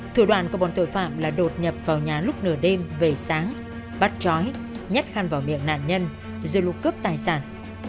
thủ đoàn của bọn tội phạm là đột nhập vào nhà lúc nửa đêm về sáng bắt trói nhét khăn vào miệng nạn nhân rồi lục cướp tài sản